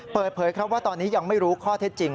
เปิดเผยครับว่าตอนนี้ยังไม่รู้ข้อเท็จจริง